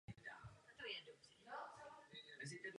Střecha byla sedlová.